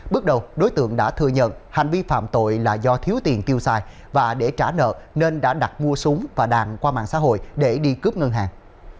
bước đầu đối tượng đã thừa nhận hành vi phạm tội là do thiếu tiền tiêu xài và để trả nợ nên đã đặt mua súng và đạn qua mạng xã hội để đi cướp ngân hàng